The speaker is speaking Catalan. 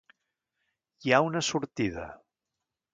Hi ha una sortida.